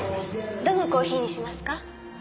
どのコーヒーにしますか？